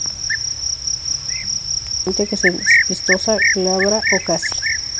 Hierba perenne, densamente cespitosa, glabra o casi.